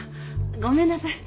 ごめんなさい。